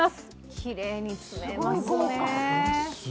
きれいに詰めますね。